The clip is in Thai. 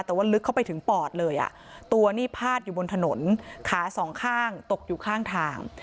แต่ว่าลึกเข้าไปถึงปอดเลยอ่ะตัวนี่พาดอยู่บนถนนขาสองข้างตกอยู่ข้างทาง